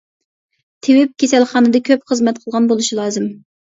تېۋىپ كېسەلخانىدا كۆپ خىزمەت قىلغان بولۇشى لازىم.